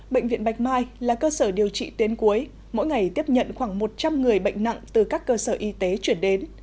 bệnh viện bạch mai là cơ sở điều trị tuyến cuối mỗi ngày tiếp nhận khoảng một trăm linh người bệnh nặng từ các cơ sở y tế chuyển đến